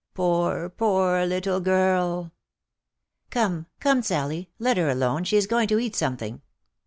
Poor, poor little girl !"" Come, come Sally — let her alone now, she is going to eat some thing."